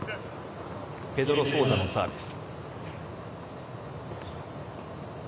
ペドロ・ソウザのサービス。